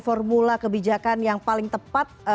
formula kebijakan yang paling tepat